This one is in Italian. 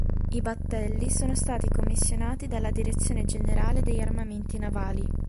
I battelli sono stati commissionati dalla direzione generale degli armamenti navali.